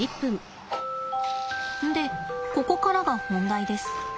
でここからが本題です。